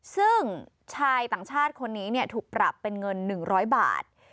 ซึ่งชายต่างชาติคนนี้ถูกปรับเป็นเงิน๑๐๐บาท